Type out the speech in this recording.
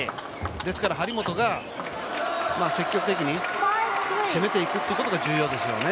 ですから張本が積極的に攻めていくことが重要ですよね。